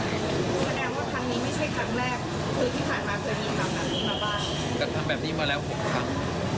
ครั้งแบบนี้มาแล้ว๖ครั้ง